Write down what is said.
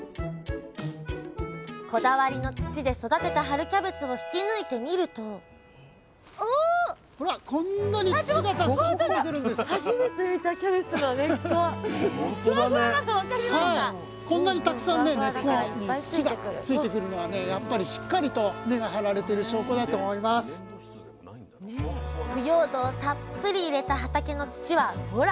こだわりの土で育てた春キャベツを引き抜いてみると腐葉土をたっぷり入れた畑の土はほら！